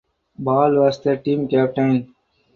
Ball was the team captain.